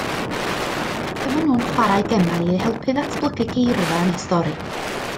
Dyma nhw'n chwarae gemau i helpu datblygu geirfa yn y stori